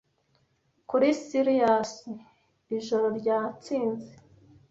kuri sirius ijoro ryatsinze